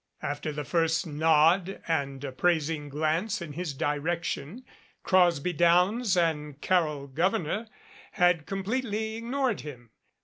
After the first nod and apprais ing glance in his direction, Crosby Downs and Carol Gouverneur had completely ignored him.